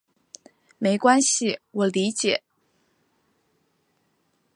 没关系，我理解。